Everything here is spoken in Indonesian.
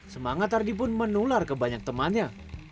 semangat ardi pun menular ke banyak temannya